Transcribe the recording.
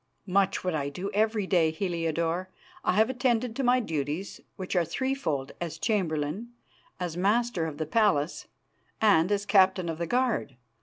"Much what I do every day, Heliodore. I have attended to my duties, which are threefold, as Chamberlain, as Master of the Palace, and as Captain of the Guard.